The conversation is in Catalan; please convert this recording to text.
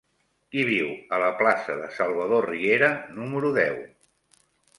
Qui viu a la plaça de Salvador Riera número deu?